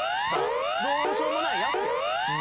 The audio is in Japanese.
どうしようもないヤツやった。